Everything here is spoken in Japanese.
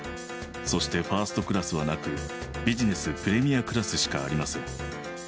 そしてファーストクラスはなくビジネス・プレミアクラスしかありません。